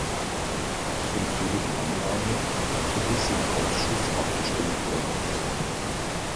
Ich empfehle die Annahme, so wie sie im Ausschuss abgestimmt worden ist.